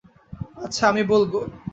আচ্ছা, আমি বলব।